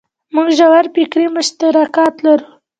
موږ ژور فکري مشترکات لرو.